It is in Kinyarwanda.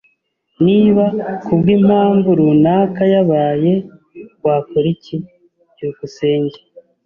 Niba kubwimpamvu runaka yabaye, wakora iki? byukusenge